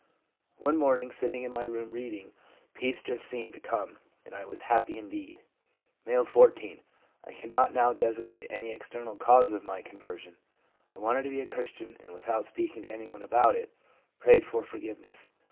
One morning, sitting in my room reading, peace just seemed to come, and I was happy indeed/ M., 14. ' I cannot now designate any external cause of my conversion. I wanted to be a Christian, and without speaking to anyone about it, prayed for for giveness.